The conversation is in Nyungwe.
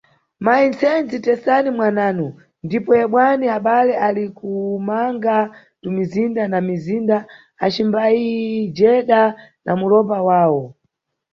Mayi msenzi, tesani mwananu, ndipo yebwani, abale ali kumanga tumizinda na mizinda acimbayijeda na mulopa wawo.